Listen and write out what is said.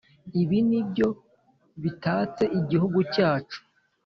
ibi nibyo bitatse igihugu cyacu